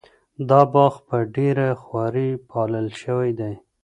دا باغ په ډېره خواري پالل شوی دی.